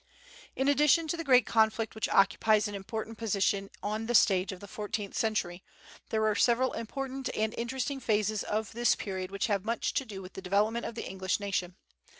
In addition to the great conflict which occupies an important position on the stage of the fourteenth century, there are several important and interesting phases of this period which have much to do with the development of the English nation.